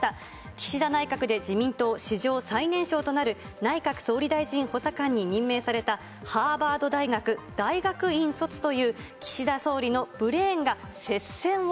岸田内閣で自民党史上最年少となる内閣総理大臣補佐官に任命された、ハーバード大学大学院卒という、岸田総理のブレーンが接戦を